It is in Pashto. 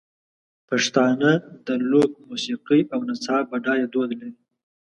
پښتانه د لوک موسیقۍ او نڅا بډایه دود لري.